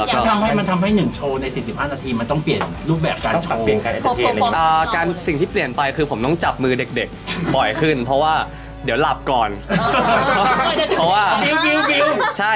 ก็ทำให้หนึ่งโชว์ใน๔๕นาทีมันต้องเปลี่ยนลูกแบบการ